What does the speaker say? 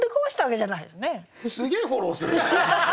すげえフォローするじゃん。